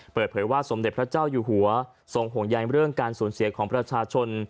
เปิดเผยว่าสมเด็จพระเจ้าอยู่หัวทรงห่วงใยเรื่องการสูญเสียของประชาชน